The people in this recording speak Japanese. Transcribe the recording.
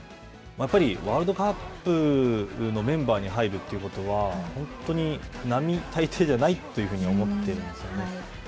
やっぱり、ワールドカップのメンバーに入るということは、本当に並大抵じゃないというふうに思っているんですよね。